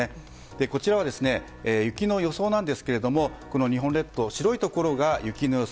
こちらは、雪の予想なんですが日本列島、白いところが雪の予想